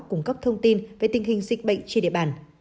cung cấp thông tin về tình hình dịch bệnh trên địa bàn